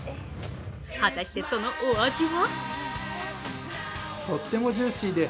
果たしてそのお味は？